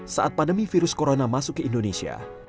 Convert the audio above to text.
saat pandemi virus corona masuk ke indonesia